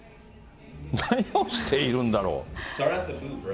何をしているんだろう？